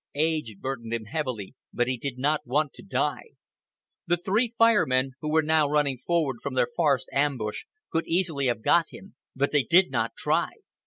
Age burdened him heavily, but he did not want to die. The three Fire Men, who were now running forward from their forest ambush, could easily have got him, but they did not try.